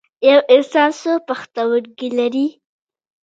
یو انسان څو پښتورګي لري